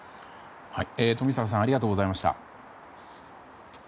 冨坂さんありがとうございました。